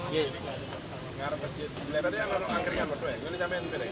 di tempat yang asli di jemaah